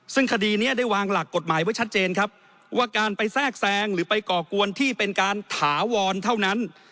ซึ่งคดีนี้ได้วางหลักกฎหมายไว้ชัดเจนครับว่าการไปแทรกแซงหรือไปก่อกวนที่เป็นการถาวรเท่านั้น